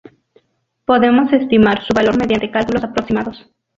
Podemos estimar su valor mediante cálculos aproximados.